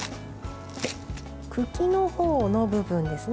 茎のほうの部分ですね。